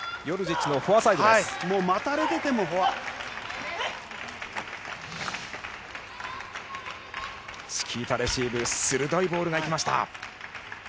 チキータレシーブ、鋭いボールがいきました。